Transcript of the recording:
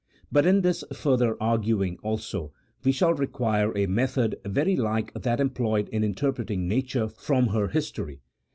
But in this further arguing, also, we shall require a method very like that employed in interpreting nature from her history.